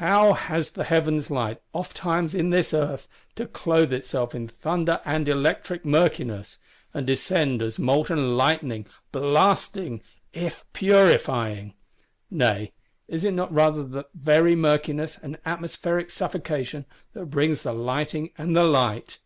—How has the Heaven's light, oftentimes in this Earth, to clothe itself in thunder and electric murkiness; and descend as molten lightning, blasting, if purifying! Nay is it not rather the very murkiness, and atmospheric suffocation, that brings the lightning and the light?